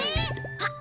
あっ